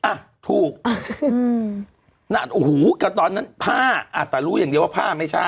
อ่ะถูกนั่นโอ้โหก็ตอนนั้นผ้าอ่ะแต่รู้อย่างเดียวว่าผ้าไม่ใช่